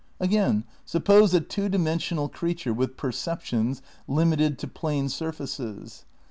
Again, suppose a two dimensional creature with per ceptions limited to plane surfaces.